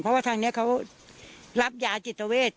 เพราะว่าทางนี้เขารับยาจิตเวท